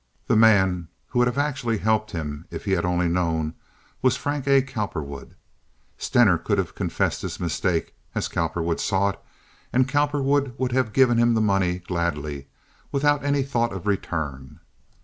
The man who would have actually helped him if he had only known was Frank A. Cowperwood. Stener could have confessed his mistake, as Cowperwood saw it, and Cowperwood would have given him the money gladly, without any thought of return.